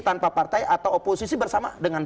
tanpa partai atau oposisi bersama dengan